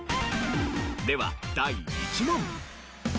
では第１問。